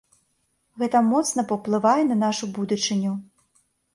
Гэта моцна паўплывае на нашу будучыню.